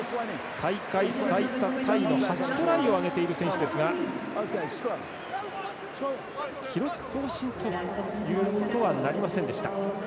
大会最多タイの８トライを挙げている選手ですが記録更新ということはなりませんでした。